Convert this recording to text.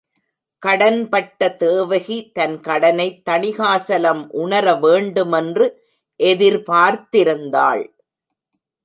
கடன் பட்ட தேவகி தன் கடனை தணிகாசலம் உணர வேண்டுமென்று எதிர்பார்த்திருந்தாள்.